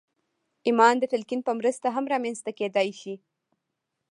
ایمان د تلقین په مرسته هم رامنځته کېدای شي